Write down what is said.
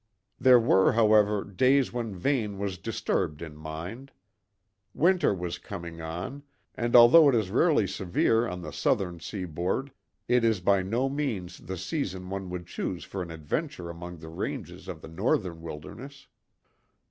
There were, however, days when Vane was disturbed in mind. Winter was coming on, and although it is rarely severe on the southern seaboard, it is by no means the season one would choose for an adventure among the ranges of the northern wilderness.